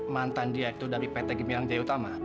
mantan dia itu dari pt gemilang jaya utama